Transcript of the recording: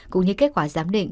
cũng như kết quả giám định